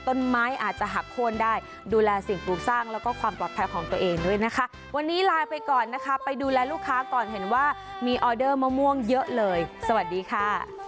ต้นไม้อาจจะหักโค้นได้ดูแลสิ่งปลูกสร้างแล้วก็ความปลอดภัยของตัวเองด้วยนะคะวันนี้ไลน์ไปก่อนนะคะไปดูแลลูกค้าก่อนเห็นว่ามีออเดอร์มะม่วงเยอะเลยสวัสดีค่ะ